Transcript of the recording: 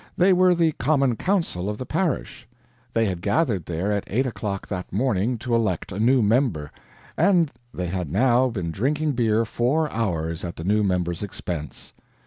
They were the Common Council of the parish. They had gathered there at eight o'clock that morning to elect a new member, and they had now been drinking beer four hours at the new member's expense.